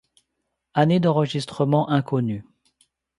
Année d'enregistrement inconnue.